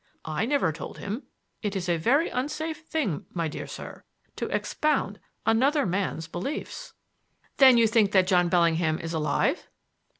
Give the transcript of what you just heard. I never told him. It is a very unsafe thing, my dear sir, to expound another man's beliefs." "Then you think that John Bellingham is alive?"